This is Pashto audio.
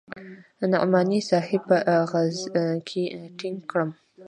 نعماني صاحب په غېږ کښې ټينګ کړم.